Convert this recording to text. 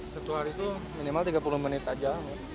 satu hari itu minimal tiga puluh menit aja